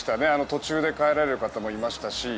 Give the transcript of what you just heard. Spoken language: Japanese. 途中で帰られる方もいましたし。